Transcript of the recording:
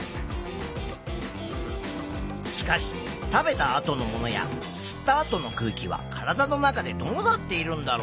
しかし食べたあとのものや吸ったあとの空気は体の中でどうなっているんだろう？